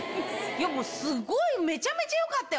すごいめちゃめちゃよかったよ。